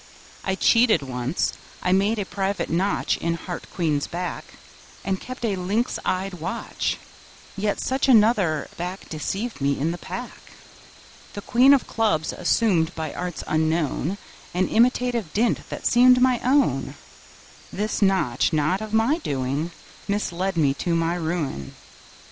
I cheated once: I made a private notch In Heart Queen's back, and kept a lynx eyed watch; Yet such another back Deceived me in the pack: The Queen of Clubs assumed by arts unknown An imitative dint that seemed my own; This notch, not of my doing, Misled me to my ruin.